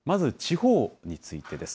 まず地方についてです。